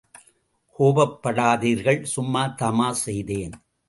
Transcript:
கோபப்படாதீர்கள் சும்மா தமாஷ் செய்தேன்.